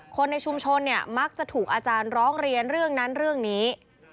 คนในชุมชนเนี่ยมักจะถูกอาจารย์ร้องเรียนเรื่องนั้นเรื่องนี้